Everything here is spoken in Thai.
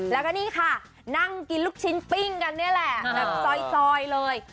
แล้วก็นี่ค่ะนั่งกินลูกชิ้นปิ้งกันนี่แหละแบบซอยเลย